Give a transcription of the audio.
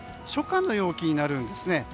初夏の陽気になるんですね。